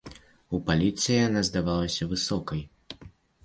У паліце яна здавалася высокай.